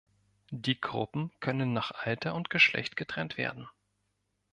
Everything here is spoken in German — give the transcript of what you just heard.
Die Gruppen können nach Alter und Geschlecht getrennt werden.